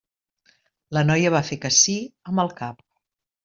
La noia va fer que sí amb el cap.